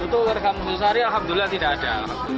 untuk warga medusari alhamdulillah tidak ada